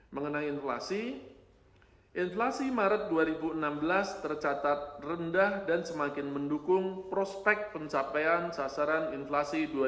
mengenai inflasi inflasi maret dua ribu enam belas tercatat rendah dan semakin mendukung prospek pencapaian sasaran inflasi dua ribu dua puluh